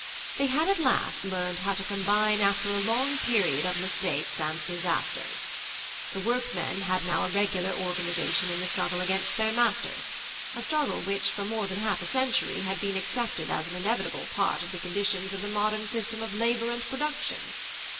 They had at last learned how to combine after a long period of mistakes and disasters. The workmen had now a regular organization in the struggle against their masters, a struggle which for more than half a century had been accepted as an inevitable part of the conditions of the modern system of labour and production.